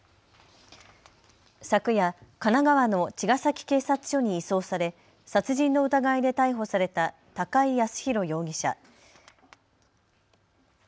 昨夜、神奈川の茅ヶ崎警察署に移送され殺人の疑いで逮捕された高井靖弘容疑者。